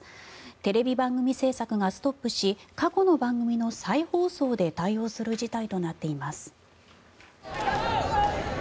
テレビ番組制作がストップし過去の番組の再放送で対応する事態となっています。